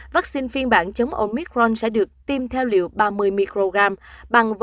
vaccine phiên bản chống omicron sẽ được tìm theo liều ba mươi mg